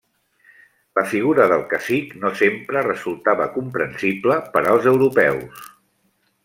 La figura del cacic no sempre resultava comprensible per als europeus.